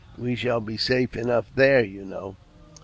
We shall be safe enough there, you know."